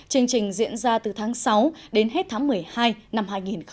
chương trình diễn ra từ tháng sáu đến hết tháng một mươi hai năm hai nghìn hai mươi